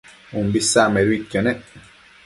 umbi isacmaiduidquio nec